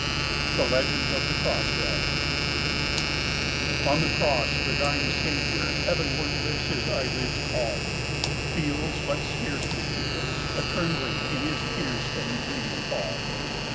THE LEGEND OF THE CROSSBILL BY JULIUS MOSEN On the cross the dying Saviour Heavenward lifts his eyelids calm, Feels, but scarcely feels, a trembling In his pierced and bleeding palm.